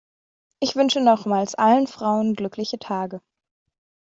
Ich wünsche nochmals allen Frauen glückliche Tage.